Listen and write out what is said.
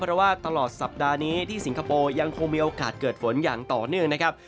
เพราะว่าตลอดสัปดาห์นี้ที่สิงคโปร์ยังคงมีโอกาสเกิดฝนอย่างต่อเนื่องนะครับ